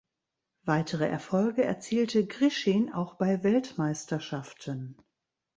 Weitere Erfolge erzielte Grischin auch bei Weltmeisterschaften.